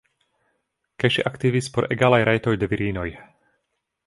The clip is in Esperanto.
Kaj ŝi aktivis por egalaj rajtoj de virinoj.